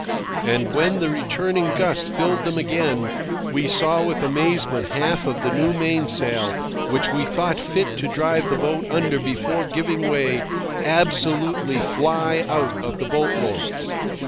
And when the returning gust filled them again, we saw with amazement half of the new mainsail, which we thought fit to drive the boat under before giving way, absolutely fly out of the bolt ropes.